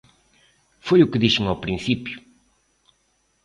Foi o que dixen ao principio.